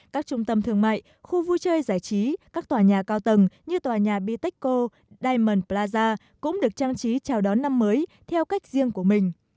các trung tâm thương mại khu vui chơi giải trí các tòa nhà cao tầng như tòa nhà biteco diamond plaza cũng được trang trí chào đón năm mới theo cách riêng của mình